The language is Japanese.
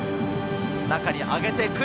中に上げてくる！